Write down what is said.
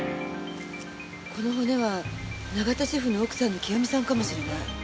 この骨は永田シェフの奥さんの清美さんかもしれない。